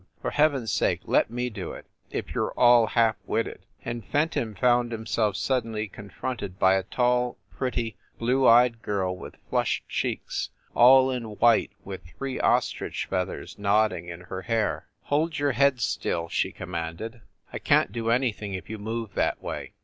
For heaven s sake, let me do it, if you re all half wit ted!" And Fenton found himself suddenly con fronted by a tall, pretty, blue eyed girl with flushed cheeks, all in white, with three ostrich feathers nod ding in her hair. "Hold your head still!" she commanded. "I can t do anything if you move that way!